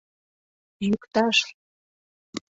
— Йӱкташ!